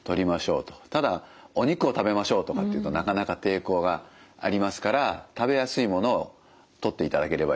ただ「お肉を食べましょう」とかって言うとなかなか抵抗がありますから食べやすいものをとっていただければいいので。